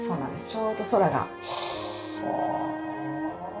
ちょうど空が。はあ。